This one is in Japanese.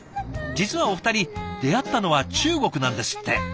実はお二人出会ったのは中国なんですって。